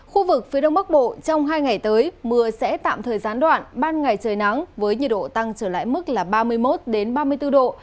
khu vực phía đông bắc bộ trong hai ngày tới mưa sẽ tạm thời gián đoạn ban ngày trời nắng với nhiệt độ tăng trở lại mức là ba mươi một ba mươi bốn độ